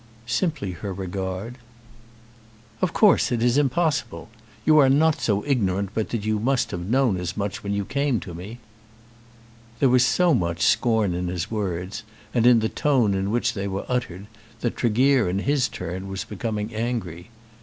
"Simply her regard." "Of course it is impossible. You are not so ignorant but that you must have known as much when you came to me." There was so much scorn in his words, and in the tone in which they were uttered, that Tregear in his turn was becoming angry.